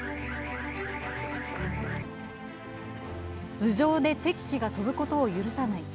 頭上で敵機が飛ぶことを許さない。